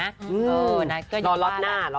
รอรอดหน้ารอรอดหน้า